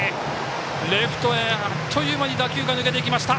レフトへあっという間に打球が抜けました。